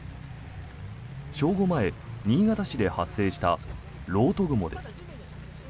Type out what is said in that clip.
正午前、新潟市で発生した漏斗雲です。